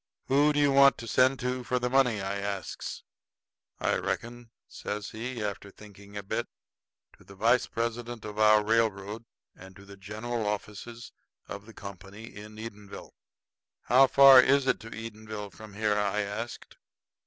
"Who do you want to send to for the money?" I asks. "I reckon," says he, after thinking a bit, "to the vice president of our railroad, at the general offices of the Company in Edenville." "How far is it to Edenville from here?" I asked.